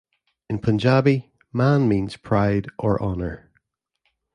In Punjabi, "Mann" means "pride" or "honour".